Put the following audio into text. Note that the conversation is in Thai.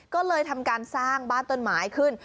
ก็เลยทำการสร้างบ้านต้นไม้ขึ้น